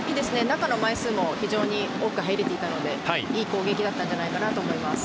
中の枚数も多く入れていたので、いい攻撃だったんじゃないかと思います。